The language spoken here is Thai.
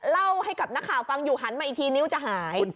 เล่าให้กับนักข่าวฟังอยู่หันมาอีกทีนิ้วจะหาย